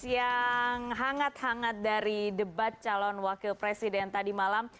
yang hangat hangat dari debat calon wakil presiden tadi malam